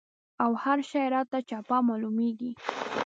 او هر شی راته چپه معلومېږي.